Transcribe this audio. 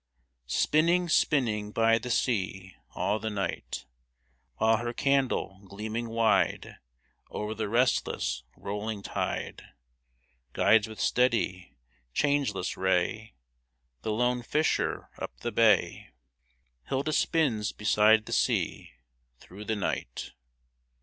Spinning, spinning by the sea, All the night ! While her candle, gleaming wide O'er the restless, rolling tide. Guides with steady, changeless ray The lone fisher up the bay, Hilda spins beside the sea, Through the night